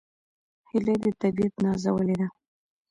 هیلۍ د طبیعت نازولې ده